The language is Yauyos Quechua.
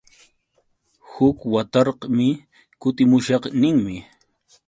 Huk watarqmi kutimushaq ninmi.